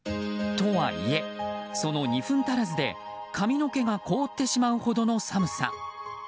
とはいえ、その２分足らずで髪の毛が凍ってしまうほどの寒さ。